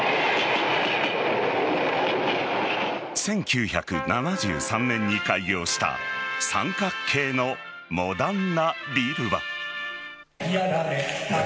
１９７３年に開業した三角形のモダンなビルは。